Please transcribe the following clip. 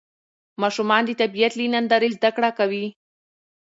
ماشومان د طبیعت له نندارې زده کړه کوي